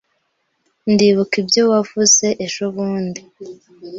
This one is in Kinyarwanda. Ndibuka ibyo wavuze ejobundi.